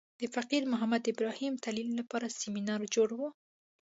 د فقیر محمد ابراهیم تلین لپاره سمینار جوړ و.